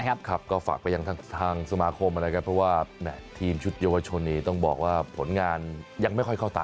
ครับก็ฝากไปยังทางสมาคมนะครับเพราะว่าทีมชุดเยาวชนนี้ต้องบอกว่าผลงานยังไม่ค่อยเข้าตา